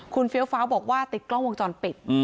คุณเฟี้ยวฟ้าวบอกว่าติดกล้องวงจรปิด